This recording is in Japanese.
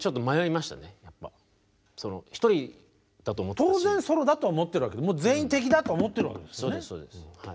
当然ソロだと思ってるわけ全員敵だと思ってるわけですよね。